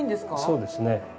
そうですね。